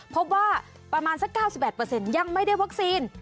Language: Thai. พบว่าประมาณสัก๙๘ยังไม่ได้วัคซีน